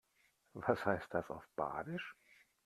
Was heißt das auf Badisch?